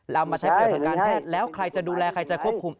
เอามาใช้ประโยชน์ทางการแพทย์แล้วใครจะดูแลใครจะควบคุม